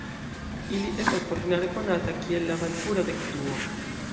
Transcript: Ili estas ordinare konata kiel la malpura dekduo,